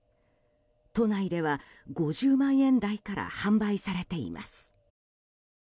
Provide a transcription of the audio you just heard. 都内では５０万円台から販売されています。